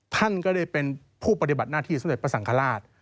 ท่านก็เลยเป็นผู้ปฏิบัติหน้าที่สมเด็จพระสังฆราช